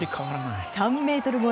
３ｍ超え。